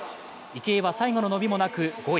池江は最後の伸びもなく５位。